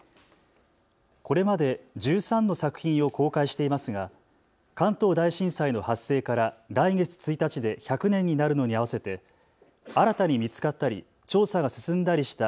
これまで１３の作品を公開していますが関東大震災の発生から来月１日で１００年になるのに合わせて新たに見つかったり調査が進んだりした